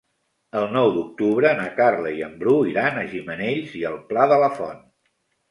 El nou d'octubre na Carla i en Bru iran a Gimenells i el Pla de la Font.